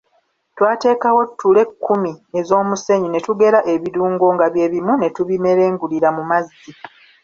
Twateekawo ttule kkumi ez’omusenyu ne tugera ebirungo nga bye bimu ne tubimerengulira mu mazzi.